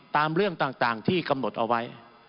ตามเรื่องต่างที่กำหนดเอาไว้